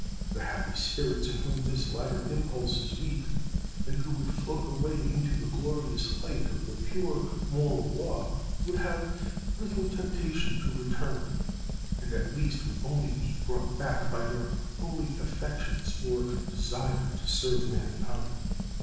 The happy spirits in whom this latter impulse is weak, and who would float away into the glorious light of the pure moral law, would have little temptation to return, and at least would only be brought back by their holy affections, or desire to serve mankind.